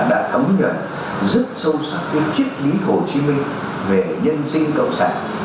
đã thấm gần rất sâu sắc cái chức lý hồ chí minh về nhân sinh cộng sản